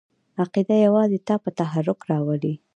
عقیده یوازې تا په تحرک راولي!